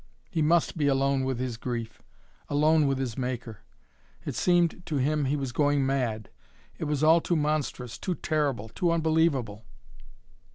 He must be alone with his grief, alone with his Maker. It seemed to him he was going mad. It was all too monstrous, too terrible, too unbelievable.